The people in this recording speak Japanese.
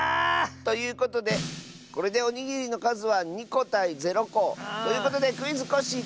ということでこれでおにぎりのかずは２こたい０こ。ということで「クイズ！コッシー」